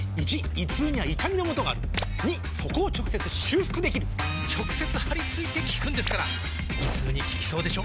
①胃痛には痛みのもとがある②そこを直接修復できる直接貼り付いて効くんですから胃痛に効きそうでしょ？